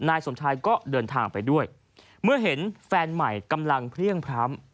นายสมชายก็เดินทางไปด้วยเมื่อเห็นแฟนใหม่กำลังเพลี่ยงพร้ำ